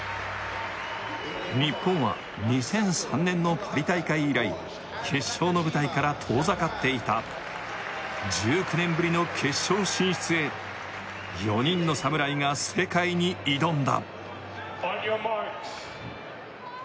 日本は２００３年のパリ大会以来決勝の舞台から遠ざかっていた１９年ぶりの決勝進出へ４人の侍が世界に挑んだＯｎｙｏｕｒｍａｒｋｓ